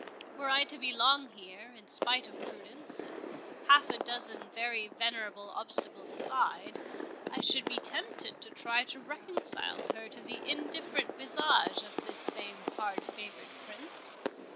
Were I to be long here, in spite of prudence, and half a dozen very venerable obstacles beside, I should be tempted to try to reconcile her to the indifferent visage of this same hard favoured Prince.